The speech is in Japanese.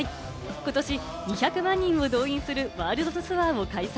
ことし２００万人を動員するワールドツアーを開催。